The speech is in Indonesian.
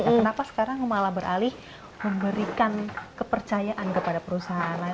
kenapa sekarang malah beralih memberikan kepercayaan kepada perusahaan lain